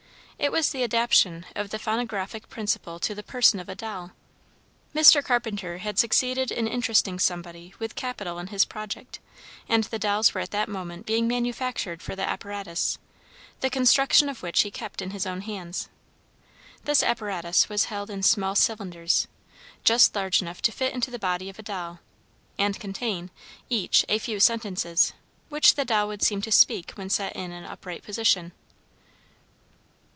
It was the adaptation of the phonographic principle to the person of a doll. Mr. Carpenter had succeeded in interesting somebody with capital in his project, and the dolls were at that moment being manufactured for the apparatus, the construction of which he kept in his own hands. This apparatus was held in small cylinders, just large enough to fit into the body of a doll and contain, each, a few sentences, which the doll would seem to speak when set in an upright position.